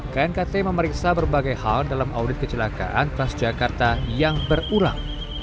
knkt memeriksa berbagai hal dalam audit kecelakaan transjakarta yang berulang